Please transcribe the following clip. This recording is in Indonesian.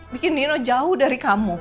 bikin dino jauh dari kamu